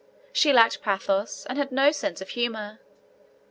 She lacked pathos, and had no sense of humour.